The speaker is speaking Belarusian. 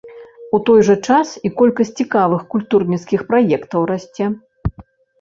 У той жа час і колькасць цікавых культурніцкіх праектаў расце.